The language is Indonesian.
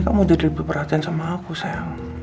kamu jadi lebih perhatian sama aku sayang